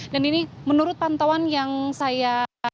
dan ini menurut pantauan yang saya